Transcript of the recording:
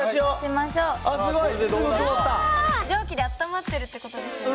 蒸気であったまってるって事ですね。